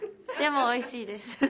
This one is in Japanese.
でもおいしいです。